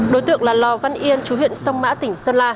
đối tượng là lò văn yên chú huyện sông mã tỉnh sơn la